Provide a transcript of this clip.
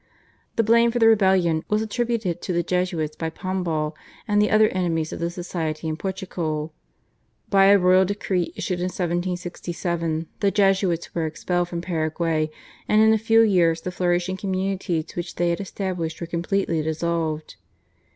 The blame for the rebellion was attributed to the Jesuits by Pombal and the other enemies of the Society in Portugal. By a royal decree issued in 1767 the Jesuits were expelled from Paraguay, and in a few years the flourishing communities which they had established were completely dissolved.